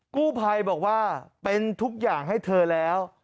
กู้ภัยบอกว่าเป็นทุกอย่างให้เธอแล้ว